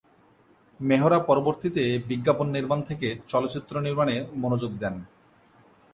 মেহরা পরবর্তীতে বিজ্ঞাপন নির্মাণ থেকে চলচ্চিত্র নির্মাণে মনোযোগ দেন।